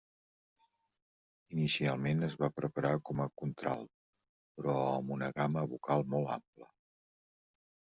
Inicialment es va preparar com a contralt, però amb una gamma vocal molt ampla.